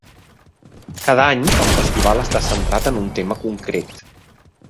Cada any el festival està centrat un tema concret.